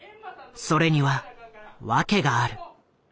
それには訳がある。